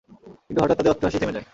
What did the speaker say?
কিন্তু হঠাৎ তাদের অট্টহাসি থেমে যায়।